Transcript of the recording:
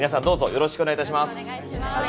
よろしくお願いします。